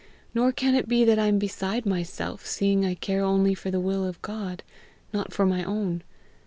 Nor can it be that I am beside myself, seeing I care only for the will of God, not for my own.